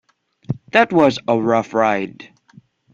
That was a rough ride.